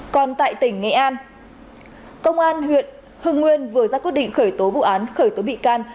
còn tại tỉnh nghệ an công an huyện hưng nguyên vừa ra quyết định khởi tố vụ án khởi tố bị can